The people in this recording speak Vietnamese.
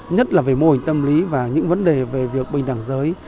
nhất là về mô hình tâm lý và những vấn đề về việc bình đẳng giới